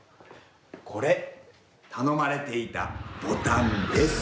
これたのまれていたボタンです。